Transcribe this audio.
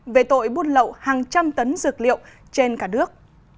về tội buôn lậu hàng trăm tấn dược liệu trên cả nước